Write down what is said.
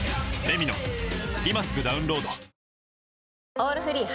「オールフリー」